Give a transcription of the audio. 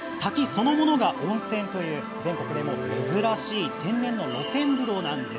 そのものが温泉という全国でも珍しい天然の露天風呂。